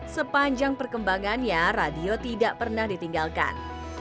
sepanjang perkembangannya radio tidak pernah ditinggalkan